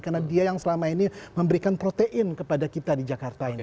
karena dia yang selama ini memberikan protein kepada kita di jakarta ini